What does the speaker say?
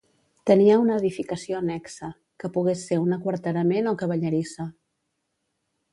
Tenia una edificació annexa, que pogués ser un aquarterament o cavallerissa.